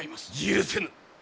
許せぬ！